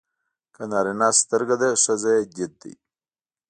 که نارینه سترګه ده ښځه يې دید دی.